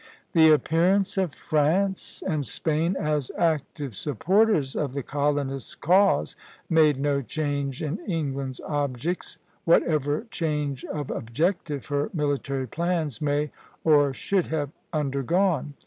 The appearance of France and Spain as active supporters of the colonists' cause made no change in England's objects, whatever change of objective her military plans may, or should, have undergone.